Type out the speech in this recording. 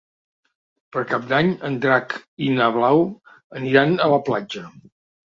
Per Cap d'Any en Drac i na Blau aniran a la platja.